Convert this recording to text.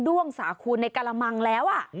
้วงสาคูณในกระมังแล้ว